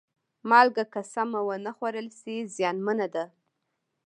مالګه که سمه ونه خوړل شي، زیانمنه ده.